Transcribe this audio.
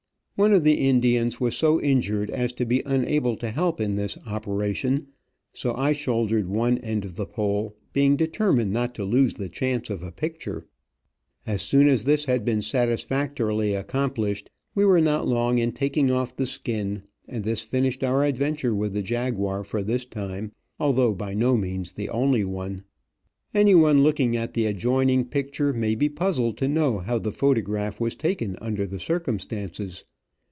One of the Indians was so injured as to be unable to help in this operation, so I shouldered one end of the pole, being determined not to lose the chance of a picture. As soon as this had been satisfactorily accomplished, we were not long in taking off the skin, and this finished our adventure with the jaguar for this time, though by no means the only one. Anyone looking at the adjoining picture may be puzzled to know how the photograph was taken under the circumstances.